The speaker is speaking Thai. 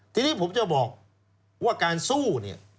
ทีนี้ผมจะบอกว่าการสู้เนี่ย